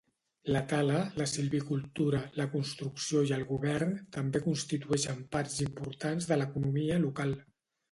La tala, la silvicultura, la construcció i el govern també constitueixen parts importants de l'economia local.